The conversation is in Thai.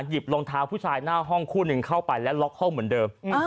รองเท้าผู้ชายหน้าห้องคู่หนึ่งเข้าไปและล็อกห้องเหมือนเดิม